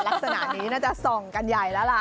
ลักษณะนี้น่าจะส่องกันใหญ่แล้วล่ะ